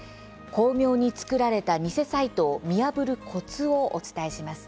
巧妙に作られた偽サイトを見破るコツをお伝えします。